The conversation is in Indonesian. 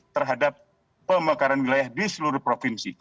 terhadap pemekaran wilayah di seluruh provinsi